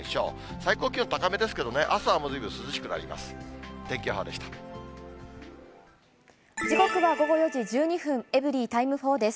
最高気温、高めですけどね、朝はもうずいぶん涼しくなります。